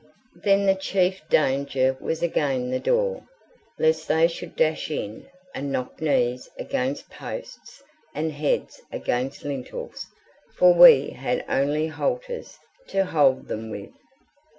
Then the chief danger was again the door, lest they should dash in, and knock knees against posts and heads against lintels, for we had only halters to hold them with.